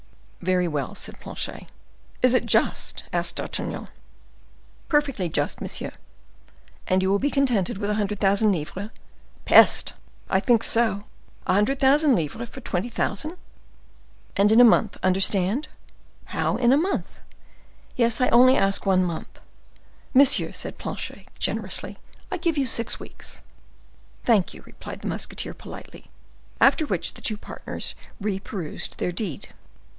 "Very well," said Planchet. "Is it just?" asked D'Artagnan. "Perfectly just, monsieur." "And you will be contented with a hundred thousand livres?" "Peste! I think so. A hundred thousand for twenty thousand!" "And in a month, understand." "How, in a month?" "Yes, I only ask one month." "Monsieur," said Planchet, generously, "I give you six weeks." "Thank you," replied the musketeer, politely; after which the two partners reperused their deed.